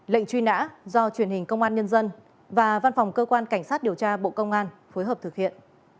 lệnh truy nã do truyền hình công an nhân dân và văn phòng cơ quan cảnh sát điều tra bộ công an phối hợp thực hiện